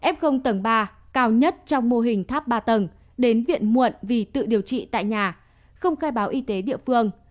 f tầng ba cao nhất trong mô hình tháp ba tầng đến viện muộn vì tự điều trị tại nhà không khai báo y tế địa phương